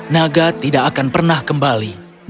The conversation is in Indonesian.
naga tidak akan pernah kembali